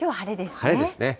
晴れですね。